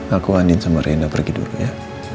aku andin sama reina pergi dulu ya